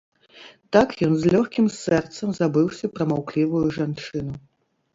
Так ён з лёгкім сэрцам забыўся пра маўклівую жанчыну.